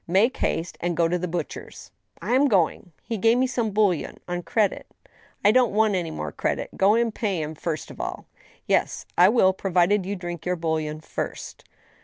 Make haste and go to the butcher's." " I am going. He gave me some bouillon on credit." • "I don't want any more credit. Go and pay him first of all." " Yes, I will, provided you will drink your bouillon first."